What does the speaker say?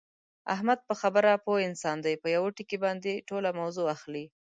احمد په خبره پوه انسان دی، په یوه ټکي باندې ټوله موضع اخلي.